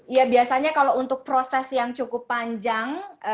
ya biasanya kalau untuk proses yang cukup panjang